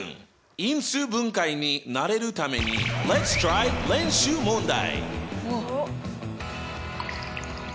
因数分解に慣れるためにＬｅｔ’ｓｔｒｙ練習問題！